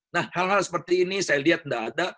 nah hal hal seperti ini saya lihat tidak ada